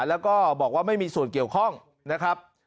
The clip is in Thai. แล้วก็บอกว่าไม่มีส่วนเกี่ยวข้องนะครับ